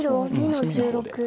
白２の十六。